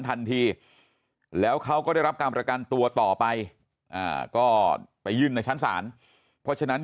ทันทีแล้วเขาก็ได้รับการประกันตัวต่อไปก็ไปยื่นในชั้นศาลเพราะฉะนั้น